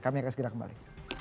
kami akan segera kembali